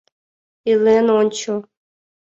Илен ончо.